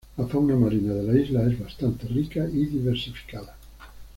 La fauna marina de la isla es bastante rica y diversificada.